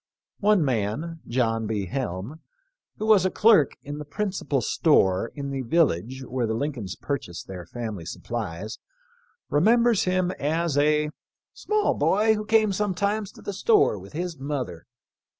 One man, * who was a clerk in the principal store in the village where the Lincolns purchased their family supplies, remembers him as a " small boy who came sometimes to the store with his mother.